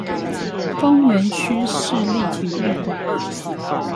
豐原區市立體育館